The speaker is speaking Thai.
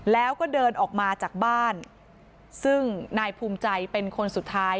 แล้วก็เดินออกมาจากบ้านซึ่งนายภูมิใจเป็นคนสุดท้าย